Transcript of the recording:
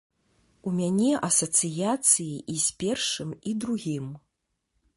У мяне асацыяцыі і з першым і другім.